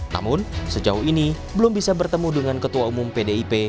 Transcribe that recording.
namun sejauh ini belum bisa bertemu dengan ketua umum pdip